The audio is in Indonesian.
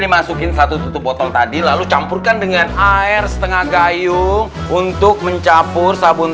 masukin satu tutup botol tadi lalu campurkan dengan air setengah gayung untuk mencampur sabun